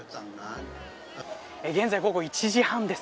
現在、午後１時半です。